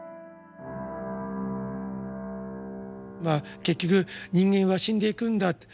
まあ結局人間は死んでいくんだ。